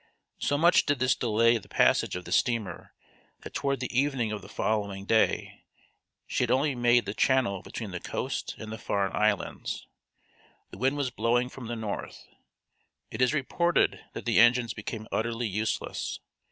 So much did this delay the passage of the steamer that toward the evening of the following day she had only made the channel between the coast and the Farne Islands. The wind was blowing from the north. It is reported that the engines became utterly useless.